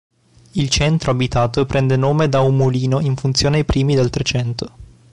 Il centro abitato prende nome da un mulino in funzione ai primi del Trecento.